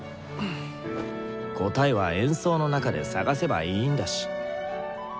答えは演奏の中で探せばいいんだし。